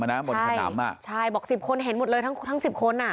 อีกคนนะบนขนำอะใช่๑๐คนเห็นหมดเลยทั้ง๑๐คน